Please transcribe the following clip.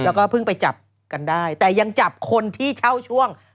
แล้วก็เพิ่งไปจับกันได้แต่ยังจับคนที่เช่าช่วง